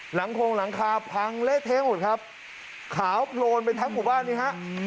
หลังโครงหลังคาพังเละเทะหมดครับขาวโพลนไปทั้งหมู่บ้านนี้ฮะ